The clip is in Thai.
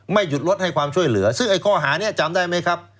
หยุดรถให้ความช่วยเหลือซึ่งไอ้ข้อหานี้จำได้ไหมครับ